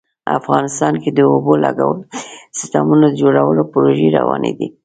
افغانستان کې د اوبو لګولو سیسټمونو د جوړولو پروژې روانې دي